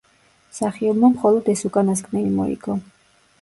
მსახიობმა მხოლოდ ეს უკანასკნელი მოიგო.